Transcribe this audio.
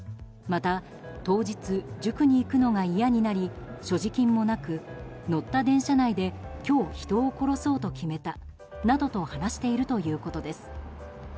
また、当日塾に行くのが嫌になり所持金もなく、乗った電車内で今日、人を殺そうと決めたなどと話しているということです。